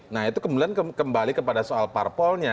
nah itu kemudian kembali kepada soal parpolnya